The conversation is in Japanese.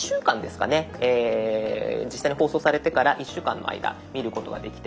実際に放送されてから１週間の間見ることができて。